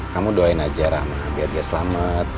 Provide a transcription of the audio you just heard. kamu doain aja rama biar dia selamat